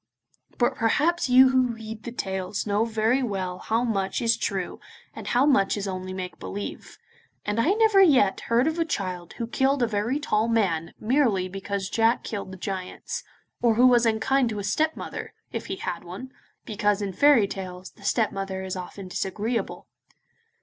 But probably you who read the tales know very well how much is true and how much is only make believe, and I never yet heard of a child who killed a very tall man merely because Jack killed the giants, or who was unkind to his stepmother, if he had one, because, in fairy tales, the stepmother is often disagreeable.